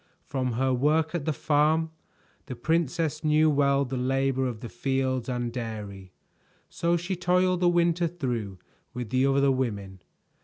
From her work at the farm, the princess knew well the labor of the fields and dairy, so she toiled the winter through with the other women.